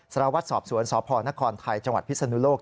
สารวัตรสอบสวนสพนครไทยจังหวัดพิศนุโลก